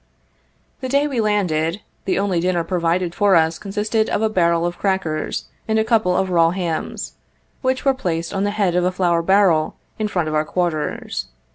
The day we landed, the only dinner provided for us consisted of a barrel of crackers and a couple of raw hams, which were placed on the head of a flour barrel, in front of our quarters.